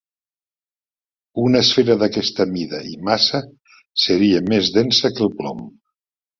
Una esfera d'aquesta mida i massa seria més densa que el plom.